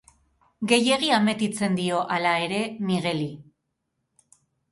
Gehiegi ametitzen dio, hala ere, Migueli.